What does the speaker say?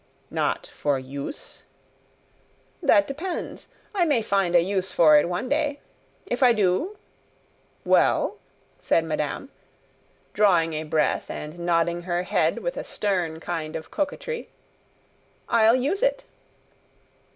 "Not for use?" "That depends. I may find a use for it one day. If I do Well," said madame, drawing a breath and nodding her head with a stern kind of coquetry, "I'll use it!"